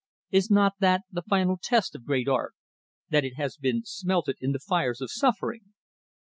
Is not that the final test of great art, that it has been smelted in the fires of suffering?